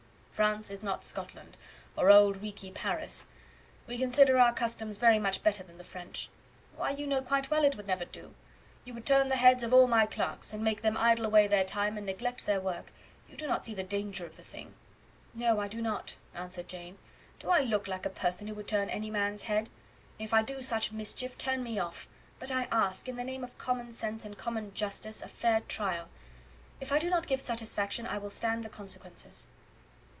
"France is not Scotland, or Auld Reekie Paris. We consider our customs very much better than the French. Why, you know quite well it would never do. You would turn the heads of all my clerks, and make them idle away their time and neglect their work. You do not see the danger of the thing." "No, I do not," answered Jane. "Do I look like a person who would turn any man's head? If I do such mischief, turn me off; but I ask, in the name of common sense and common justice, a fair trial. If I do not give satisfaction I will stand the consequences."